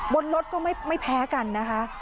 บนรถก็ไม่แพ้กันนะคะ